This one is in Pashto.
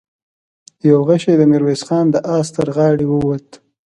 يو غشۍ د ميرويس خان د آس تر غاړې ووت.